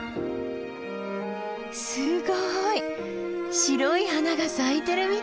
すごい白い花が咲いてるみたい！